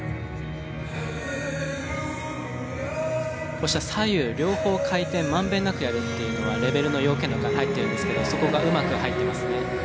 こうした左右両方回転を満遍なくやるっていうのはレベルの要件の中に入ってるんですけどそこがうまく入っていますね。